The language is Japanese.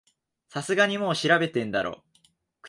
さすがにもう調べてんだろ